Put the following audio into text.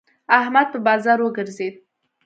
احمد په بازار وګرځېد.